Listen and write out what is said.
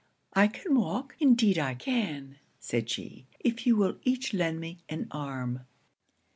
'I can walk, indeed I can,' said she, 'if you will each lend me an arm.'